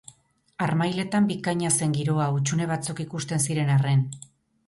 Harmailetan bikaina zen giroa hutsune batzuk ikusten ziren arren.